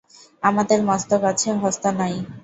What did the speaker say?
আমাদের মস্তক আছে, হস্ত নাই।